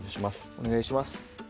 お願いします。